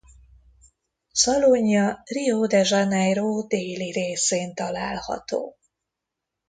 Szalonja Rio de Janeiro déli részén található.